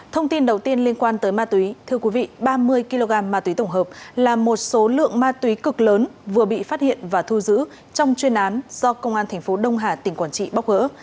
thông tin đầu tiên liên quan tới ma túy thưa quý vị ba mươi kg ma túy tổng hợp là một số lượng ma túy cực lớn vừa bị phát hiện và thu giữ trong chuyên án do công an tp đông hà tỉnh quảng trị bóc gỡ